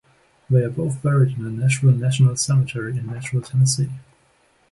They are both buried in the Nashville National Cemetery in Nashville, Tennessee.